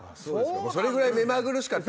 それぐらい目まぐるしかった？